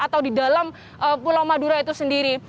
atau di dalam pulau madura itu sendiri